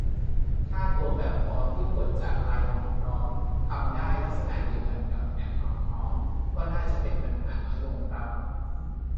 ถ้าตัวแบบฟอร์มที่กดจากไลน์หมอพร้อม ทำได้ลักษณะเดียวกันกับแอปหมอพร้อม ก็น่าจะเป็นปัญหาน้อยลงครับ